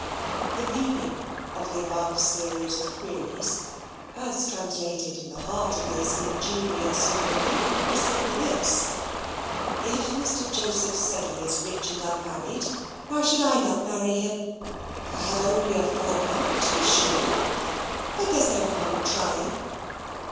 The meaning of the above series of queries, as translated in the heart of this ingenious young woman, was simply this: "If Mr. Joseph Sedley is rich and unmarried, why should I not marry him? I have only a fortnight, to be sure, but there is no harm in trying."